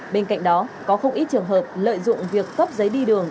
bên cạnh đó có không ít trường hợp lợi dụng việc cấp giấy đi đường